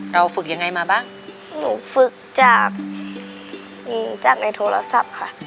เราฝึกยังไงมาบ้างหนูฝึกจากในโทรศัพท์ค่ะ